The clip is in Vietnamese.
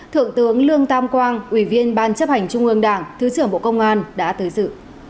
thượng tướng lương tam quang ủy viên ban chấp hành trung ương đảng thứ trưởng bộ công an đã tới dự